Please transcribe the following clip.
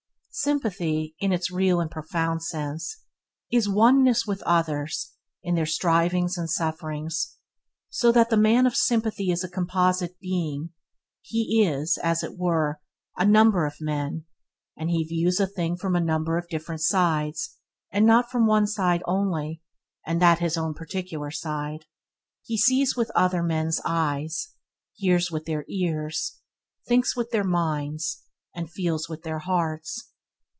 Sympathy, in its real and profound sense, is oneness with others in their strivings and sufferings, so that the man of sympathy is a composite being; he is, as it were, a number of men, and he views a thing from a number of different sides, and not from one side only, and that his own particular side. He sees with the others men's eyes, hears with their ears, thinks with their minds, and feels with their hearts.